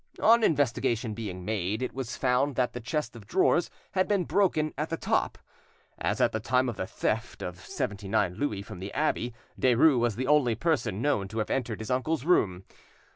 On investigation being made, it was found that the chest of drawers had been broken at the top. As at the time of the theft of the seventy nine Louis from the abbe, Derues was the only person known to have entered his uncle's room.